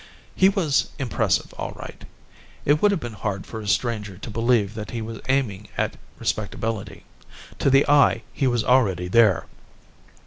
He was impressive, all right. It would have been hard for a stranger to believe that he was aiming at respectability; to the eye, he was already there.